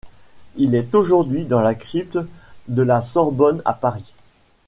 Il est aujourd'hui dans la crypte de la Sorbonne à Paris.